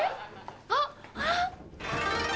あっあっ！